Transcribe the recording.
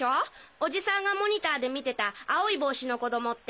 おじさんがモニターで観てた青い帽子の子供って。